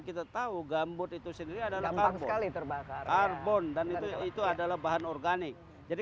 kita tahu gambut itu sendiri adalah karbon dan itu itu adalah bahan organik jadi